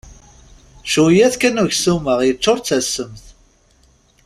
Cwiyya-t kan uksum-a, yeččur d tasemt.